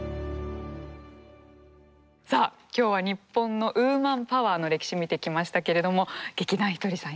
さあ今日は日本のウーマンパワーの歴史見てきましたけれども劇団ひとりさん